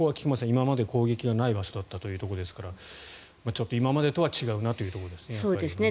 今まで攻撃のない場所だったということですから今までとは違うなというところですね。